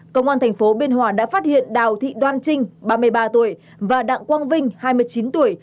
công an tp biên hòa đã phát hiện đào thị đoan trinh ba mươi ba tuổi và đặng quang vinh hai mươi chín tuổi